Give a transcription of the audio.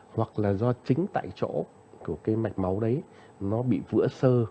hoặc là do chính tại chỗ của cái mạch máu đấy nó bị vỡ sơ